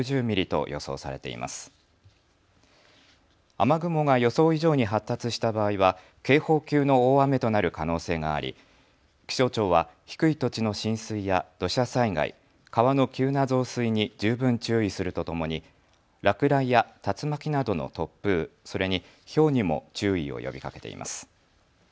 雨雲が予想以上に発達した場合は警報級の大雨となる可能性があり気象庁は低い土地の浸水や土砂災害、川の急な増水に十分注意するとともに落雷や竜巻などの突風、それにひょうにも注意を呼びかけています。